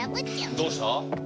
どうした？